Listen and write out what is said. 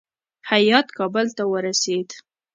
هیات کابل ته ورسېد.